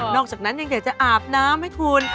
อกจากนั้นยังอยากจะอาบน้ำให้คุณ